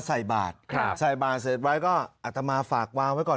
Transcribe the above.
ใส่บาทใส่บาทเสร็จไว้ก็อัตมาฝากวางไว้ก่อน